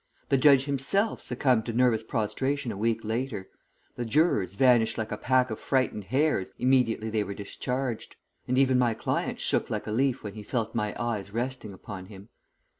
The judge himself succumbed to nervous prostration a week later, the jurors vanished like a pack of frightened hares immediately they were discharged, and even my client shook like a leaf when he felt my eyes resting upon him.